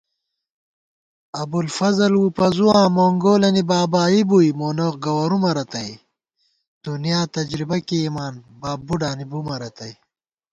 ابُوالفضل وُپَزُواں مونگولَنی بابائی بُوئی مونہ گوَرُومہ رتئ * دُنیا تجربہ کېئیمان باب بُڈانی بُمہ رتئ